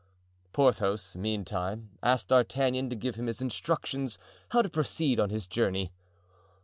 Porthos, meantime, asked D'Artagnan to give him his instructions how to proceed on his journey.